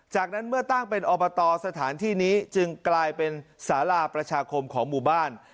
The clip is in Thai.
จากนั้นเมื่อตั้งเป็นอบตสถานที่นี้จึงกลายเป็นสาราประชาคมของหมู่บ้าน